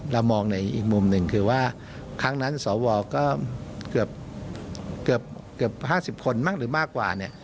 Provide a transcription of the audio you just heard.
เรามองในอีกมุมหนึ่งคือว่าครั้งนั้นสวก็เกือบ๕๐คนมั่งหรือมากกว่าเนี่ย